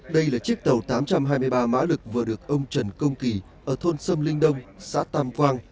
đây là chiếc tàu tám trăm hai mươi ba mã lực vừa được ông trần công kỳ ở thôn sâm linh đông xã tam quang